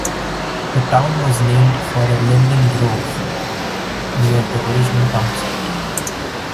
The town was named for a linden grove near the original town site.